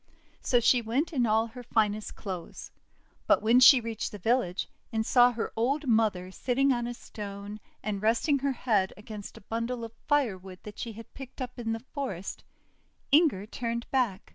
So she went in all her finest clothes. But when she reached the village, and saw her old mother sitting on a stone, and resting her head against a bundle of firewood that she had picked up in the forest, Inger turned back.